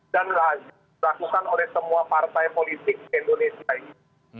dan dilakukan oleh semua partai politik indonesia ini